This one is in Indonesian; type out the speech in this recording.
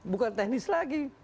bukan teknis lagi